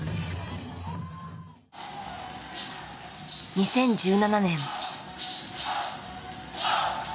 ２０１７年。